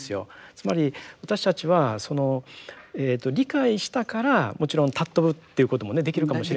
つまり私たちは理解したからもちろん尊ぶっていうこともねできるかもしれませんけども。